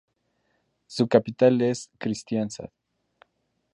Su capital es Kristiansand.